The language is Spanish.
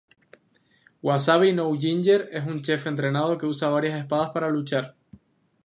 Wasabi-No-Ginger es un chef entrenado que usa varias espadas para luchar.